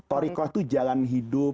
torikoh itu jalan hidup